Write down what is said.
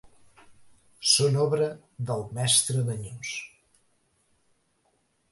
Són obra del Mestre d'Anyós.